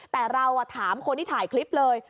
แต่เราถามคนที่ถ่ายคลิปเลย